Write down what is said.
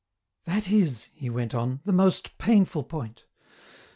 " That is," he went on, " the most painful point